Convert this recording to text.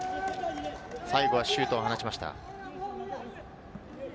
最後はシュートを放ちました。